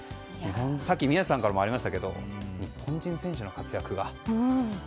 さっき宮司さんからもありましたが日本人選手の活躍が素晴らしいなと。